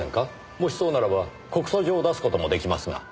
もしそうならば告訴状を出す事も出来ますが。